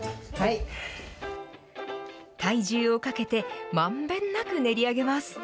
体重をかけて、まんべんなく練り上げます。